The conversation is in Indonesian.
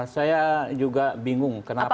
saya juga bingung kenapa